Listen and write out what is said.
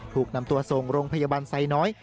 ถูกนำตัวส่งโรงพยาบาลไซน้อย